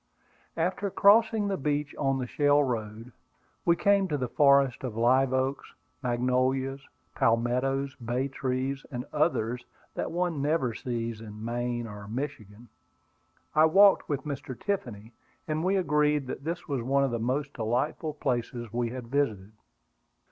After crossing the beach on the shell road, we came to the forest of live oaks, magnolias, palmettos, bay trees, and others that one never sees in Maine or Michigan. I walked with Mr. Tiffany, and we agreed that this was one of the most delightful places we had visited.